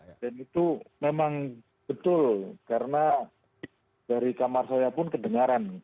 dan itu memang betul karena dari kamar saya pun kedengaran